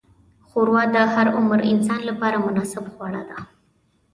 ښوروا د هر عمر انسان لپاره مناسب خواړه ده.